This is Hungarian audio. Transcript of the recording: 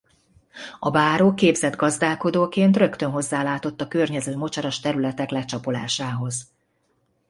A báró képzett gazdálkodóként rögtön hozzálátott a környező mocsaras területek lecsapolásához.